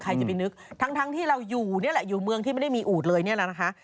ใครจะไปนึกทั้งที่เราอยู่นี่แหละอยู่เมืองที่ไม่ได้มีอูดเลยเนี่ยแหละนะคะ